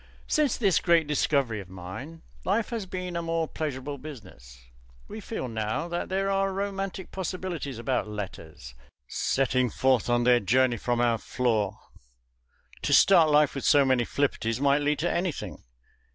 Since this great discovery of mine, life has been a more pleasurable business. We feel now that there are romantic possibilities about Letters setting forth on their journey from our floor. To start life with so many flipperties might lead to anything.